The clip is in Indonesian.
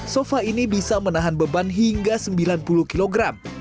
sofa ini bisa menahan beban hingga sembilan puluh kilogram